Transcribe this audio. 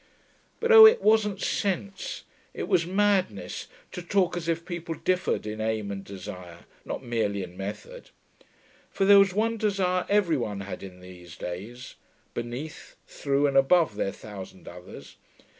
But oh, it wasn't sense, it was madness, to talk as if people differed in aim and desire, not merely in method. For there was one desire every one had in these days, beneath, through and above their thousand others.